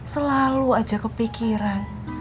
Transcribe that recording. selalu aja kepikiran